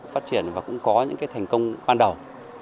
phát triển và cũng có những thành công ban đầu